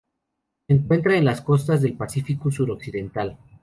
Se encuentra en las costas del Pacífico suroccidental